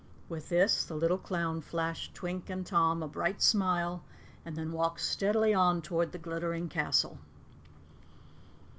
With this, the little clown flashed Twink and Tom a bright smile and then walked steadily on toward the glittering castle.